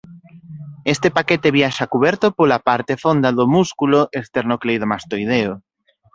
Este paquete viaxa cuberto pola parte fonda do músculo esternocleidomastoideo.